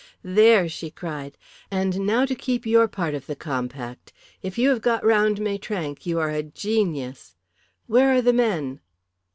"There!" she cried. "And now to keep your part of the compact. If you have got round Maitrank you are a genius. Where are the men?"